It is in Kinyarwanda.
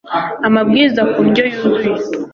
amabwiriza ku ndyo yuzuye